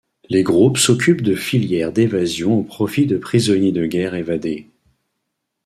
Les groupes s'occupent de filières d'évasion au profit de prisonniers de guerre évadés.